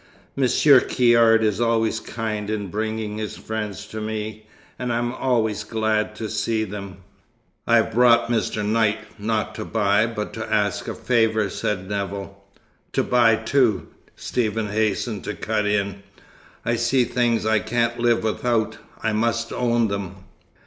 "Monsieur Caird is always kind in bringing his friends to me, and I am always glad to see them." "I've brought Mr. Knight, not to buy, but to ask a favour," said Nevill. "To buy, too," Stephen hastened to cut in. "I see things I can't live without. I must own them."